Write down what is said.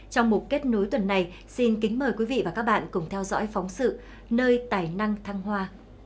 trong một kết nối tuần này xin kính mời quý vị và các bạn cùng theo dõi phóng sự nơi tài năng thăng hoa